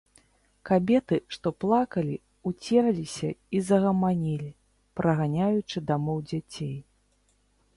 Кабеты, што плакалі, уцерліся і загаманілі, праганяючы дамоў дзяцей.